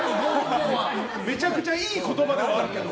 めちゃくちゃいい言葉ではあるけど。